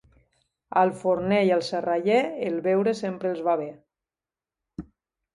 Al forner i al serraller el beure sempre els va bé.